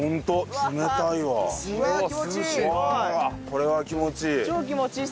これは気持ちいい。